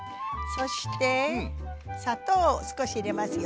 そして砂糖を少し入れますよ。